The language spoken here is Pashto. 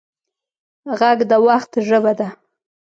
غږ د وخت ژبه ده